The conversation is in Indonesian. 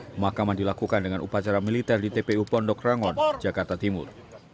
pemakaman dilakukan dengan upacara militer di tpu pondok rangon jakarta timur